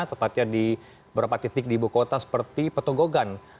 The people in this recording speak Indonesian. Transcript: tepatnya di beberapa titik di ibu kota seperti petogogan